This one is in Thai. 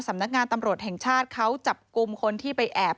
สำนักงานตำรวจแห่งชาติเขาจับกลุ่มคนที่ไปแอบ